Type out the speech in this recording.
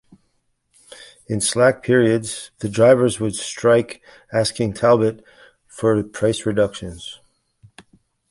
In slack periods the drivers would strike asking Talbot for a price reduction.